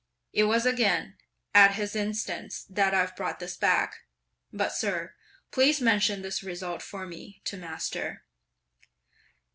It was again at his instance that I've brought it back; but, Sir, please mention this result for me (to master)."